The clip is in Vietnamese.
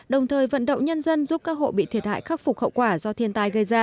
đồng thời vận động nhân dân giúp các hộ bị thiệt hại khắc phục hậu quả do thiên tai